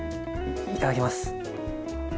いただきます！